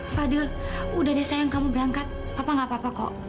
fadil udah deh sayang kamu berangkat apa nggak apa apa kok